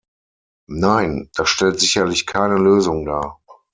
Nein, das stellt sicherlich keine Lösung dar.